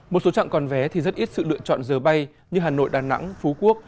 một số trạng còn vé thì rất ít sự lựa chọn giờ bay như hà nội đà nẵng phú quốc